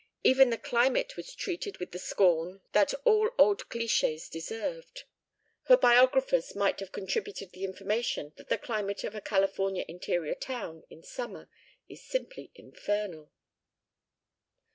Even the climate was treated with the scorn that all old clichés deserved. (Her biographers might have contributed the information that the climate of a California interior town in summer is simply infernal.)